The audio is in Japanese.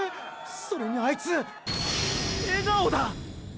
それにあいつ笑顔だ！！